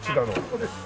ここです。